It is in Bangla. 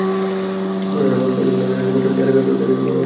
প্রশাসনের পক্ষ থেকে নয়জন নিখোঁজের তালিকা করা হয়েছে, যাদের অধিকাংশই শিশু।